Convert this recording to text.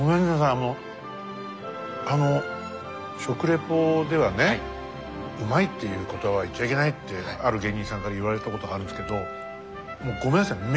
あのあの食リポではね「うまい」っていう言葉は言っちゃいけないってある芸人さんから言われたことあるんですけどもうごめんなさい。